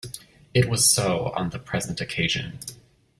It was so on the present occasion.